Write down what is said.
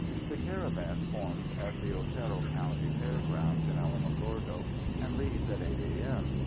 The caravan forms at the Otero County Fairgrounds in Alamogordo and leaves at 8 a.m.